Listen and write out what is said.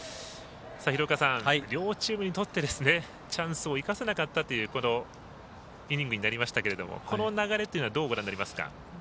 両チームにとってチャンスを生かせなかったというこのイニングになりましたがこの流れというのはどうご覧になりますか？